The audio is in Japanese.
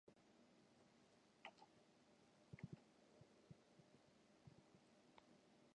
岡田紗佳と岡田彰布ではだいぶ違う